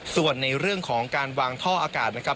ส่วนในเรื่องของการวางท่ออากาศนะครับ